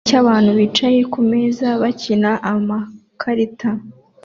Igiterane cyabantu bicaye kumeza bakina amakarita